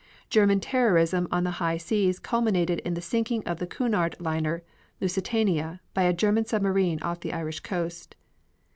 German terrorism on the high seas culminated in the sinking of the Cunard liner Lusitania by a German submarine off the Irish coast.